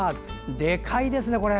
でかいですね、これ！